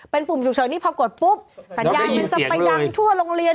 เป็นปุ่มฉุกเฉินนี่พอกดปุ๊บสัญญาณมันจะไปดังทั่วโรงเรียน